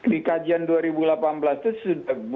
di kajian dua ribu delapan belas itu sudah